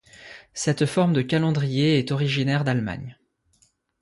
Cette forme de calendrier est originaire d'Allemagne.